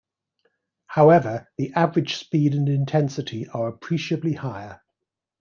However, the average speed and intensity are appreciably higher.